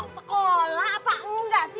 sekolah apa enggak sih